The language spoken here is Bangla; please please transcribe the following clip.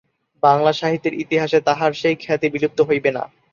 বাংলা সাহিত্যের ইতিহাসে তাঁহার সেই খ্যাতি বিলুপ্ত হইবে না।